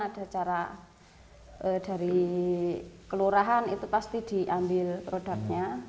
ada cara dari kelurahan itu pasti diambil produknya